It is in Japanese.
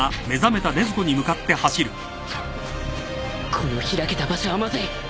この開けた場所はまずい